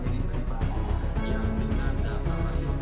di atas di armadong